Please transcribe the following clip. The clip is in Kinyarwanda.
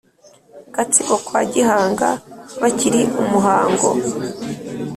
gatsibo kwa gihanga bakira umuhango